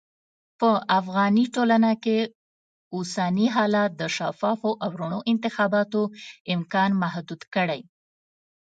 په افغاني ټولنه کې اوسني حالات د شفافو او رڼو انتخاباتو امکان محدود کړی.